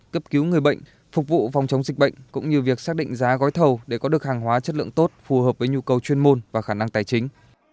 cấp cứu người bệnh phục vụ phòng chống dịch bệnh cũng như việc xác định giá gói thầu để có được hàng hóa chất lượng tốt phù hợp với nhu cầu chuyên môn và khả năng tài chính